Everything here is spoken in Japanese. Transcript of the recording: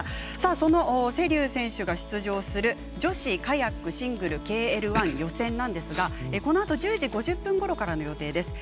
その瀬立選手が出場する女子カヤックシングルＫＬ１予選なんですがこのあと１０時５０分ごろからの予定です。